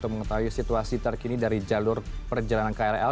untuk mengetahui situasi terkini dari jalur perjalanan krl